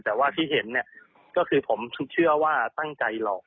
แต่ว่าที่เห็นเนี่ยก็คือผมเชื่อว่าตั้งใจหลอก